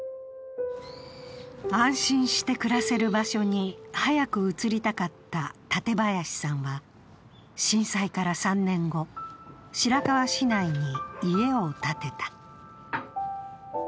安心して暮らせる場所に早く移りたかった舘林さんは、震災から３年後、白河市内に家を建てた。